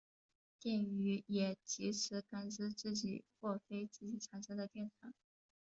电鱼也藉此感知自己或非自己产生的电场。